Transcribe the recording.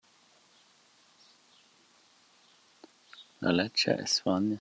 La ledscha es svanida, ma las butias nu sun avertas di ed on.